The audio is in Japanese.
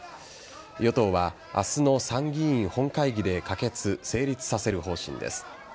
与党は明日の参議院本会議で可決・成立させる方針です。